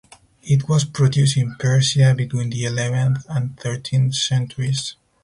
It was produced in Persia between the eleventh and thirteenth centuries.